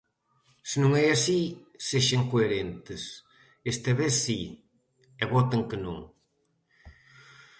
Se non é así, sexan coherentes, esta vez si, e voten que non.